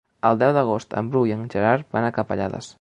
El deu d'agost en Bru i en Gerard van a Capellades.